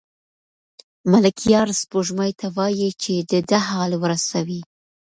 ملکیار سپوږمۍ ته وايي چې د ده حال ورسوي.